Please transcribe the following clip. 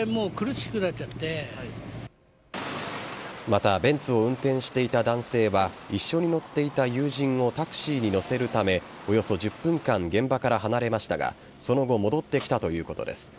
またベンツを運転していた男性は一緒に乗っていた友人をタクシーに乗せるためおよそ１０分間現場から離れましたがその後戻ってきたということです。